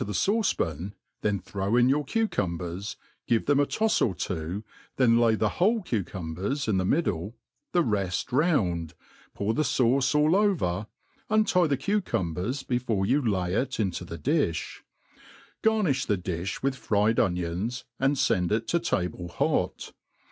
the /# 202 THE ART OF COOKERY Che fauce pan, then throw iii your cucumbers, give them % tofs or two, then lay the wholei cucumbers in the middle, the reft round, pour the fauce all over^ untie the cucumbers before you lay it into the diCh. Garni£h the diOi with, fried onions, and fend it to table hot.